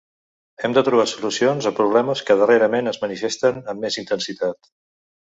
Hem de trobar solucions a problemes que darrerament es manifesten amb més intensitat.